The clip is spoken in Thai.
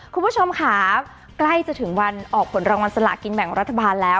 คุณผู้ชมค่ะใกล้จะถึงวันออกผลรางวัลสลากินแบ่งรัฐบาลแล้ว